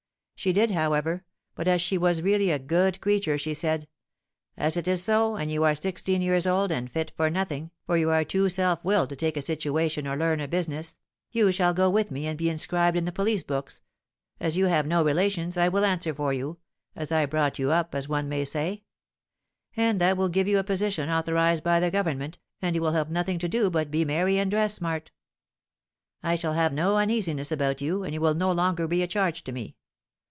She did, however; but as she was really a good creature, she said, 'As it is so, and you are sixteen years old, and fit for nothing, for you are too self willed to take a situation or learn a business, you shall go with me and be inscribed in the police books; as you have no relations, I will answer for you, as I brought you up, as one may say; and that will give you a position authorised by the government, and you will have nothing to do but to be merry and dress smart. I shall have no uneasiness about you, and you will no longer be a charge to me.